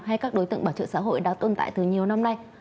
hay các đối tượng bảo trợ xã hội đã tồn tại từ nhiều năm nay